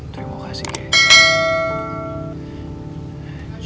terima kasih kay